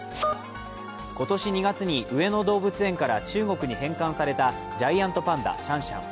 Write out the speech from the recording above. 今年２月に上野動物園から中国に返還されたジャイアントパンダ、シャンシャン。